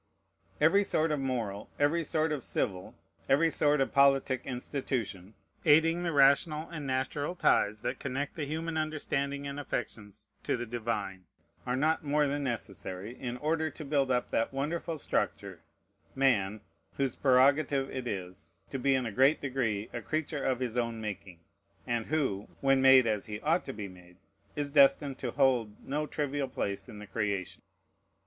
Every sort of moral, every sort of civil, every sort of politic institution, aiding the rational and natural ties that connect the human understanding and affections to the divine, are not more than necessary, in order to build up that wonderful structure, Man, whose prerogative it is, to be in a great degree a creature of his own making, and who, when made as he ought to be made, is destined to hold no trivial place in the creation.